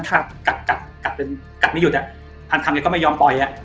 กัดไม่หยุดพันคำเนี่ยก็ไม่ยอมปล่อย